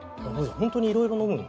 本当にいろいろ飲むんだ。